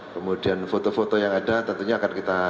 kemudian foto foto yang ada tentunya akan kita